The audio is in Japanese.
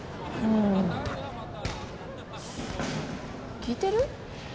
聞いてる？